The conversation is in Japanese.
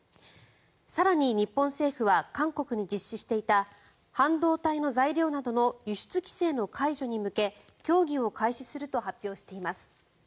更に、日本政府は韓国に実施していた半導体の材料などの輸出規制の解除に向け協議を開始すると発表しています。